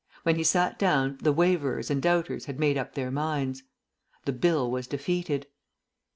When he sat down the waverers and doubters had made up their minds. The Bill was defeated.